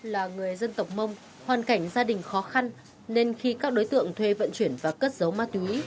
là người dân tộc mông hoàn cảnh gia đình khó khăn nên khi các đối tượng thuê vận chuyển và cất giấu ma túy